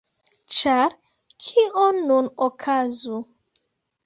Ĉar kio nun okazu?